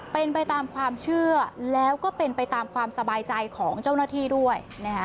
เป็นไปตามความเชื่อแล้วก็เป็นไปตามความสบายใจของเจ้าหน้าที่ด้วยนะฮะ